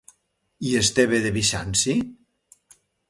I Esteve de Bizanci?